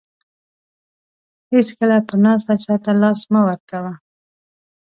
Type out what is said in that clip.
هیڅکله په ناسته چاته لاس مه ورکوه.